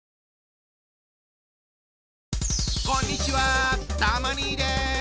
こんにちはたま兄です。